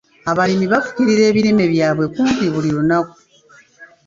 Abalimi bafukirira ebimera byabwe kumpi buli lunaku .